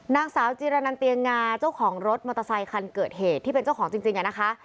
นางสาวจิรนันเตียงงาเจ้าของรถมอเตอร์ไซคันเกิดเหตุที่เป็นเจ้าของจริงอะนะคะ